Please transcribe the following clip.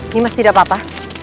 nimas tidak apa apa